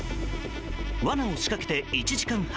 罠を仕掛けて１時間半。